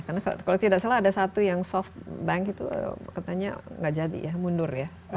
kalau tidak salah ada satu yang softbank itu katanya gak jadi ya